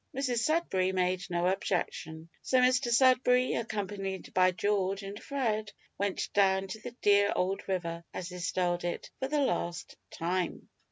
Mrs Sudberry made no objection; so Mr Sudberry, accompanied by George and Fred, went down to the "dear old river," as they styled it, for the last time.